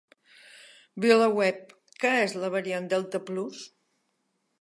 VilaWeb: Què és la variant delta plus?